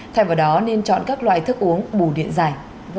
thay vào đó nên chọn các loại thức uống bù điện dài